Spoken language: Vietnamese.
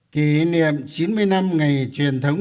kỷ niệm chín mươi năm ngày truyền thống